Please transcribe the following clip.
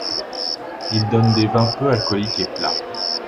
Il donne des vins peu alcooliques et plats.